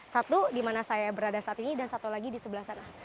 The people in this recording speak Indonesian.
satu di mana saya berada saat ini dan satu lagi di sebelah sana